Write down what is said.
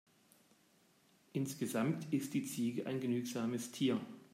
Insgesamt ist die Ziege ein genügsames Tier.